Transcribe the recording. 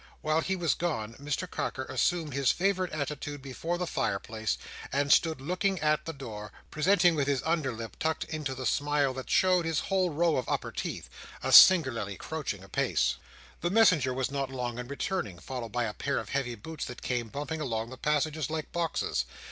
While he was gone, Mr Carker assumed his favourite attitude before the fire place, and stood looking at the door; presenting, with his under lip tucked into the smile that showed his whole row of upper teeth, a singularly crouching apace. The messenger was not long in returning, followed by a pair of heavy boots that came bumping along the passage like boxes.